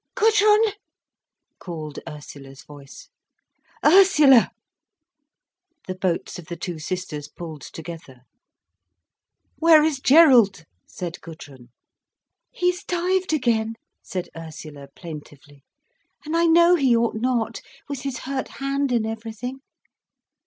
"Gudrun?" called Ursula's voice. "Ursula!" The boats of the two sisters pulled together. "Where is Gerald?" said Gudrun. "He's dived again," said Ursula plaintively. "And I know he ought not, with his hurt hand and everything."